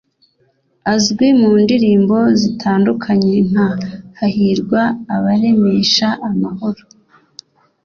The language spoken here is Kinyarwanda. Azwi mu ndirimbo zitandukanye nka ’Hahirwa abaremesha amahoro’